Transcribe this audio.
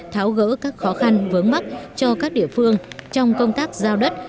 tháo gỡ các khó khăn vướng mắt cho các địa phương trong công tác giao đất